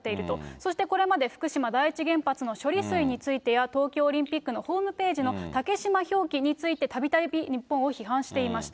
そしてこれまで、福島第一原発の処理水についてや、東京オリンピックのホームページの竹島表記についてたびたび日本を批判していました。